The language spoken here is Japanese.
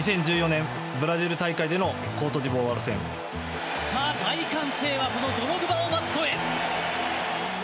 ２０１４年ブラジル大会でのコートシボワール戦。さあ大歓声はこのドログバを待つ声。